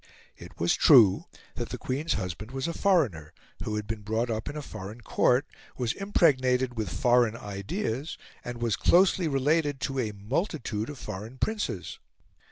It was true that the Queen's husband was a foreigner, who had been brought up in a foreign Court, was impregnated with foreign ideas, and was closely related to a multitude of foreign princes.